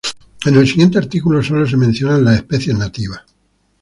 En el siguiente artículo, solo se mencionan las especies nativas.